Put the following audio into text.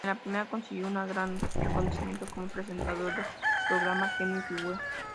En la primera consiguió un gran reconocimiento como presentador del programa "Genio y figura".